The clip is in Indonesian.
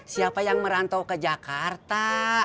siapa yang merantau ke jakarta